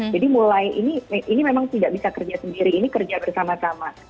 jadi mulai ini memang tidak bisa kerja sendiri ini kerja bersama sama